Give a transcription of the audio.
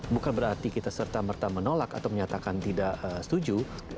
bukan berarti kita serta merta menolak atau menyatakan tidak setuju